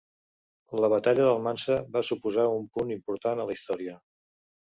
La Batalla d'Almansa va suposar un punt important a la història.